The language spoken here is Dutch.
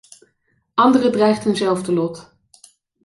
Anderen dreigt eenzelfde lot.